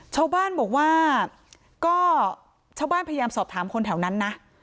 ชาวบ้านบอกว่าก็ชาวบ้านพยายามสอบถามคนแถวนั้นนะ